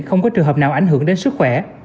không có trường hợp nào ảnh hưởng đến sức khỏe